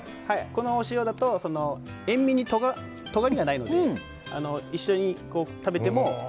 このお塩だと塩みにとがりがないので一緒に食べても。